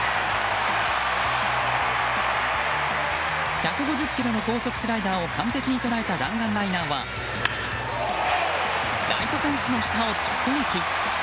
１５０キロの高速スライダーを完ぺきに捉えた弾丸ライナーはライトフェンスの下を直撃。